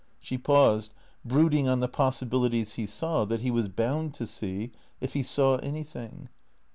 " She paused, brooding on the possibilities he saw, that he was bound to see, if he saw anything.